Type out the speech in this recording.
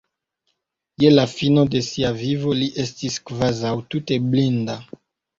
Je la fino de sia vivo li estis kvazaŭ tute blinda.